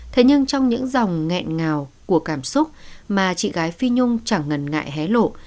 thế nhưng trong những dòng nghẹn ngào của cảm xúc mà chị gái phi nhung chẳng ngần ngại hé lộ